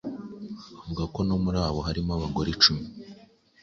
bavuga ko muri abo harimo n'abagore icumi